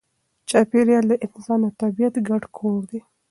چاپېریال د انسان او طبیعت ګډ کور دی.